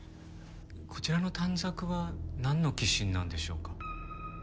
こちらの短冊はなんの寄進なんでしょうか？